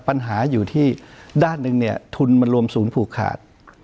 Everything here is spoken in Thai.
ปัญหาอยู่ที่ด้านหนึ่งเนี่ยทุนมันรวมศูนย์ผูกขาด